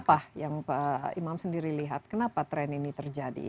apa yang pak imam sendiri lihat kenapa tren ini terjadi